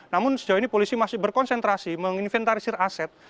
namun sejauh ini polisi masih berkonsentrasi menginventarisir aset